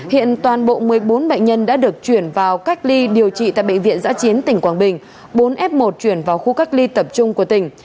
hiện toàn bộ một mươi bốn bệnh nhân đã được chuyển vào cách ly điều trị tại bệnh viện giã chiến tỉnh quảng bình bốn f một chuyển vào khu cách ly tập trung của tỉnh